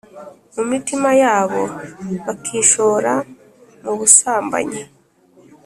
Mu mitima yabo bakishora mu busambanyi